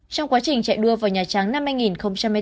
trong quá trình chạy đua vào nhà trắng năm hai nghìn hai mươi bốn